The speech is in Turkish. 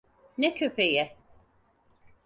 Ne köpeği?